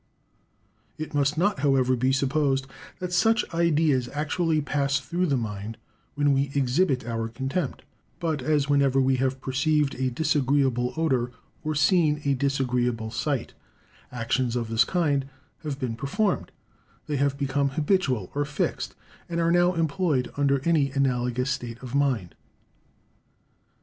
It must not, however, be supposed that such ideas actually pass through the mind when we exhibit our contempt; but as whenever we have perceived a disagreeable odour or seen a disagreeable sight, actions of this kind have been performed, they have become habitual or fixed, and are now employed under any analogous state of mind.